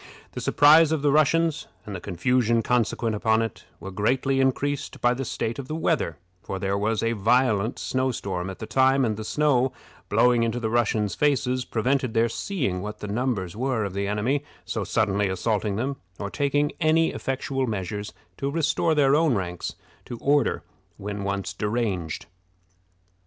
The surprise of the Russians, and the confusion consequent upon it, were greatly increased by the state of the weather; for there was a violent snow storm at the time, and the snow, blowing into the Russians' faces, prevented their seeing what the numbers were of the enemy so suddenly assaulting them, or taking any effectual measures to restore their own ranks to order when once deranged.